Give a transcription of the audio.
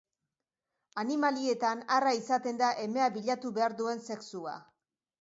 Animalietan arra izaten da emea bilatu behar duen sexua.